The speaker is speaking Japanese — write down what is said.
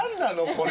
これ。